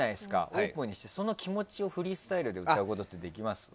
オープンにしてその気持ちをフリースタイルで歌うことできますか？